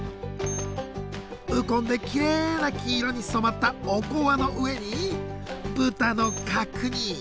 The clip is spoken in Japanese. ウコンできれいな黄色に染まったおこわの上に豚の角煮。